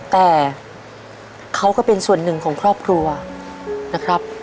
แต่เขาก็เป็นส่วนหนึ่งของครอบครัวนะครับ